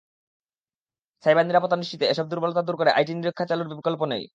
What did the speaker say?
Cyber নিরাপত্তা নিশ্চিতে এসব দুর্বলতা দূর করে আইটি নিরীক্ষা চালুর বিকল্প নেই।